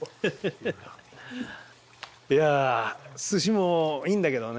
いやあ寿司もいいんだけどね